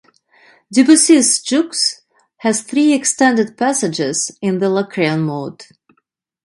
Debussy's "Jeux" has three extended passages in the Locrian mode.